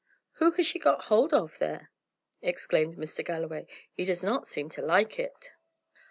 "Who has she got hold of there?" exclaimed Mr. Galloway. "He does not seem to like it."